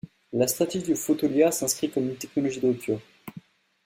La stratégie de Fotolia s'inscrit comme une technologie de rupture.